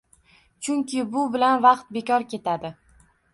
Chunki bu bilan vaqt bekor ketadi.